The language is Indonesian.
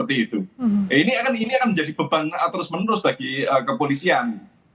ini akan menjadi beban terus menerus bagi kepolisian